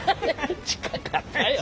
近かったよ。